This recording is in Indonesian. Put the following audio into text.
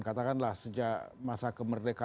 katakanlah sejak masa kemerdekaan